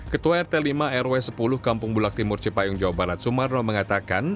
ketua rt lima rw sepuluh kampung bulak timur cipayung jawa barat sumarno mengatakan